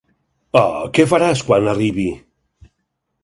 Oh, què faràs quan arribi?